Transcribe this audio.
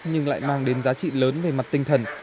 nhưng lại mang đến giá trị lớn về mặt tinh thần